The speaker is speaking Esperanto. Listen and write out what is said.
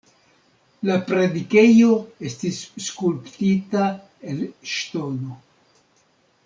La predikejo estis skulptita el ŝtono.